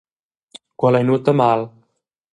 Quel ei nuota mal.